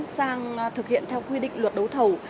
sang thực hiện theo quy định luật đấu thầu